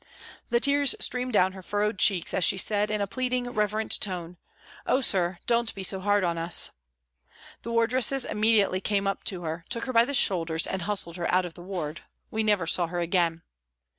The tears streamed down her furrowed cheeks as she said in a pleading, reverent voice, " Oh, sir, don't be so hard pn us ." The wardresses immediately came up to her. SOME TYPES OF PRISONERS 121 took her by the shoulders and hustled her out of the ward ; we never saw her again.